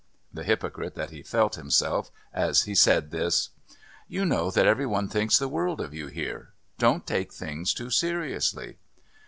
(The hypocrite that he felt himself as he said this!) "You know that every one thinks the world of you here. Don't take things too seriously."